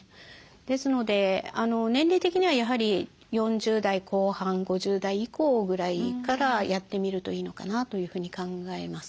ですので年齢的にはやはり４０代後半５０代以降ぐらいからやってみるといいのかなというふうに考えます。